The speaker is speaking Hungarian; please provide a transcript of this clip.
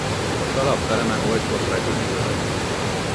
A kalap pereme olykor begöngyölt.